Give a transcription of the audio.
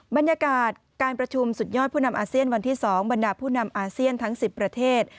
บรรยากาศการประชุมสุดยอดผู้นำอาเซียนวันที่๒บรรดาผู้นำอาเซียนทั้ง๑๐ประเทศ